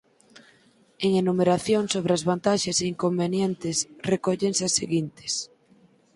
En enumeración sobre as vantaxes e inconvenientes recóllense as seguintes.